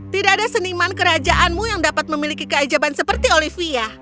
tidak ada seniman kerajaanmu yang dapat memiliki keajaban seperti olivia